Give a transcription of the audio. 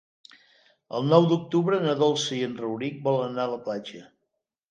El nou d'octubre na Dolça i en Rauric volen anar a la platja.